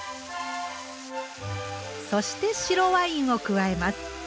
そして白ワインを加えます。